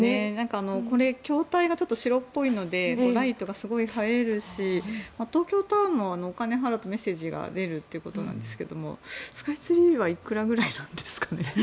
筐体が白っぽいのでライトがすごい映えるし東京タワーはお金を払うとメッセージが出るということですがスカイツリーはいくらぐらいなんですかね。